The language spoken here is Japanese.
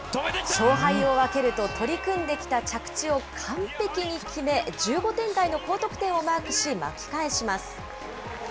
勝敗を分けると取り組んできた着地を完璧に決め、１５点台の高得点をマークし、巻き返します。